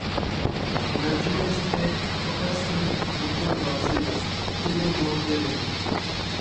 დინაჯინეს თე ქოქასჷნი, მუთუნ ვაძირეს თუდო მუამბე რენი.